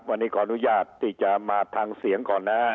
วันนี้ขออนุญาตที่จะมาทางเสียงก่อนนะ